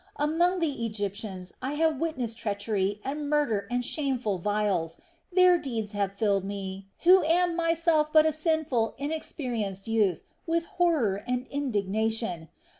"Among the Egyptians, I have witnessed treachery and murder and shameful wiles; their deeds have filled me, who am myself but a sinful, inexperienced youth, with horror and indignation.